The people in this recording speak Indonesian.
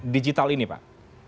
digital ini pak